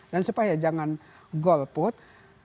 dan supaya jangan golput